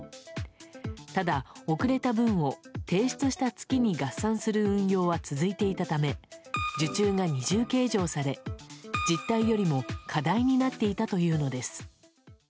ただ、遅れた分を提出した月に合算する運用は続いていたため受注が二重計上され実態よりも過大になっていたというのです。